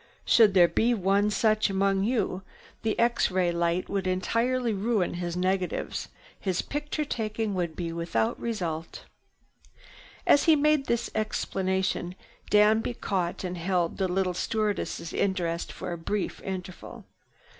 Should there be one such among you, the X ray light would entirely ruin his negatives. His picture taking would be without result." As he made this explanation Danby caught and held the little stewardess' interest for a brief interval.